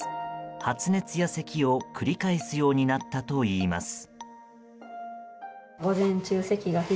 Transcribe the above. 発熱やせきを繰り返すようになったといいます。